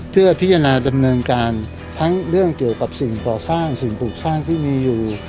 เพื่อพิจารณาดำเนินการทั้งเรื่องเกี่ยวกับสิ่งก่อสร้างสิ่งปลูกสร้างที่มีอยู่